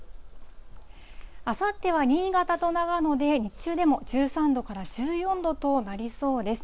あさっては新潟と長野で、日中でも１３度から１４度となりそうです。